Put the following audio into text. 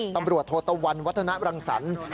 ตำรวจโทตะวันวัฒนรังสรรค์